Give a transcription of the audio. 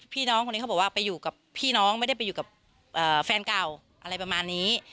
พี่น้องคนนี้เขาบอกว่าไปอยู่กับพี่น้องไม่ได้ไปอยู่กับแฟนเก่าอะไรประมาณนี้